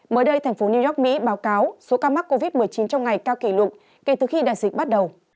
mới đây thành phố new york mỹ báo cáo số ca mắc covid một mươi chín trong ngày cao kỷ lục kể từ khi đại dịch bắt đầu